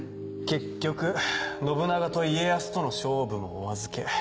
結局信長と家康との勝負もお預け。